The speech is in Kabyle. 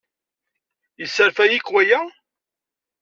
Yesserfay-ik waya?